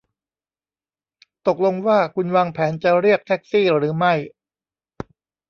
ตกลงว่าคุณวางแผนจะเรียกแท็กซี่หรือไม่